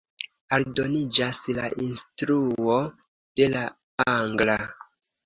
Aldoniĝas la instruo de la angla.